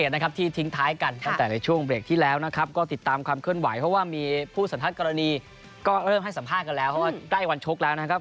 ในช่วงเบรกที่แล้วก็ติดตามความเคลื่อนไหวเพราะว่ามีผู้สัญลักษณะกรณีก็เริ่มให้สัมภาษณ์กันแล้วเพราะว่าใกล้วันโชคแล้วนะครับ